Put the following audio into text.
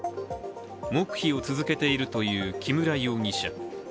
黙秘を続けているという木村容疑者。